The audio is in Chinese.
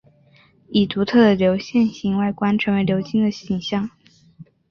以独特的流线型外观成为流经的景象。